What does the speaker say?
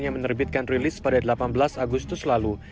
yang menerbitkan rilis pada delapan belas agustus lalu